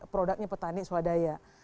produknya petani swadaya